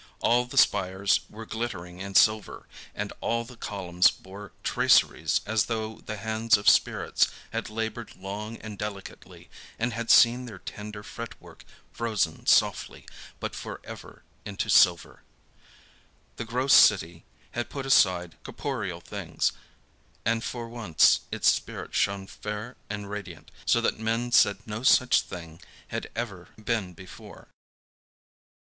All the spires were glittering in silver, and all the columns bore traceries as though the hands of spirits had labored long and delicately and had seen their tender fretwork frozen softly but for ever into silver. The gross city had put aside corporeal things, and for once its spirit shone fair and radiant; so that men said no such thing had ever been before.